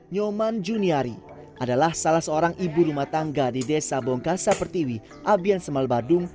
nyoman juniari adalah salah seorang ibu rumah tangga di desa bongkasa pertiwi abian semal badung